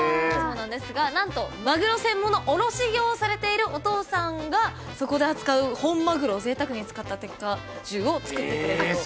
何とマグロ専門の卸業をされているお父さんがそこで扱う本マグロをぜいたくに使った鉄火重を作ってくれると。